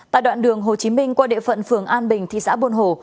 tại đoạn đường hồ chí minh qua địa phận phường an bình thị xã buôn hồ